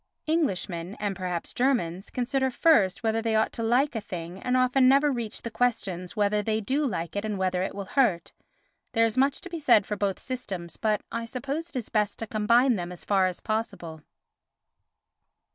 Englishmen, and perhaps Germans, consider first whether they ought to like a thing and often never reach the questions whether they do like it and whether it will hurt. There is much to be said for both systems, but I suppose it is best to combine them as far as possible.